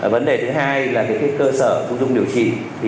vấn đề thứ hai là cơ sở phục dụng điều trị